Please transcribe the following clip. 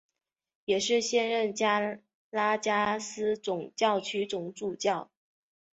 也是现任加拉加斯总教区总主教。